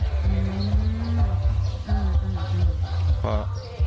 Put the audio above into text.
อ๋อไม่พูดอะไร